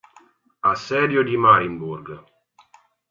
Assedio di Marienburg